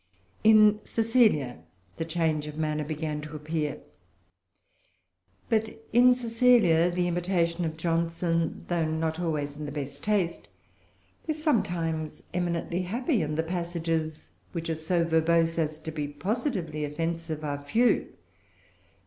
In Cecilia the change of manner began to appear. But in Cecilia the imitation of Johnson, though not always in the best taste, is sometimes eminently happy; and the passages which are so verbose as to be positively offensive are few.